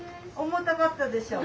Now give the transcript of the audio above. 重たかったでしょ？